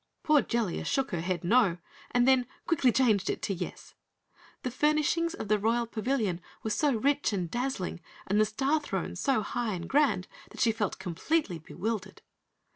Poor Jellia shook her head no and then quickly changed it to yes. The furnishings of the Royal Pavilion were so rich and dazzling and the Star Throne so high and grand that she felt completely bewildered.